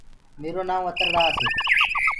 ميرو نآئونٚ اتر داس هي.